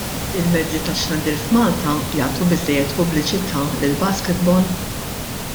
Il-mezzi tax-xandir f'Malta jagħtu biżżejjed pubbliċità lill-basketball?